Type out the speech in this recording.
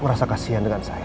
merasa kasihan dengan saya